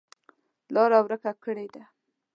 لاره ورکه کړې ده.